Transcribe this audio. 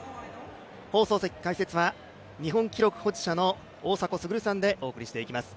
放送席解説は日本記録保持者の大迫傑さんでお伝えします。